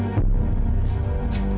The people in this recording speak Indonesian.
dari bapak di jakarta